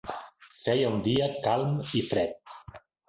Feia un dia calm i fred.